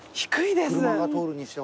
車が通るにしては。